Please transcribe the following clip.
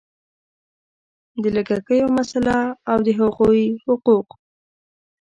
د لږکیو مسله او د هغوی حقوق